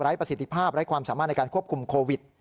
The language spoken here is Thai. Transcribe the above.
ประสิทธิภาพไร้ความสามารถในการควบคุมโควิด